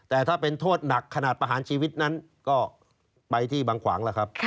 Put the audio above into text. แต่ถ้าเป็นโทษหนักขนาดประหารชีวิตนั้นก็ไปที่บางขวางแล้วครับ